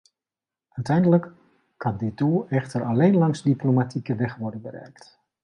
Uiteindelijk kan dit doel echter alleen langs diplomatieke weg worden bereikt.